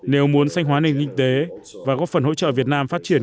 nếu muốn sanh hóa nền kinh tế và góp phần hỗ trợ việt nam phát triển